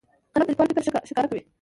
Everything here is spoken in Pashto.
قلم د لیکوال فکر ښکاره کوي.